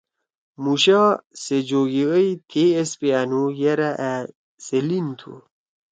موشا سے جوگی اَئی۔ تھیئے ایس پیانُو یرأ أ سے لین تُھو۔